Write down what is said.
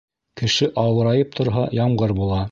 Кеше ауырайып торһа, ямғыр була.